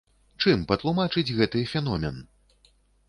Чым патлумачыць гэты феномен?